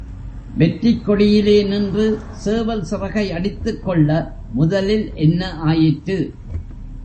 வெற்றிக் கொடியிலே நின்று சேவல் சிறகை அடித்துக் கொள்ள, முதலில் என்ன ஆயிற்று?